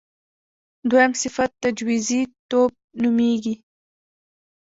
دویم صفت تجویزی توب نومېږي.